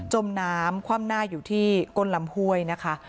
มน้ำคว่ำหน้าอยู่ที่ก้นลำห้วยนะคะ